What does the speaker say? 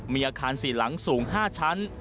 มีอาคาร๔หลังสูง๕ชั้น